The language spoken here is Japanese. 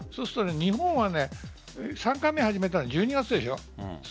日本は３回目始めたの１２月でしょ。